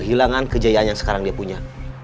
kehilangan kejayaan yang sekarang dia punya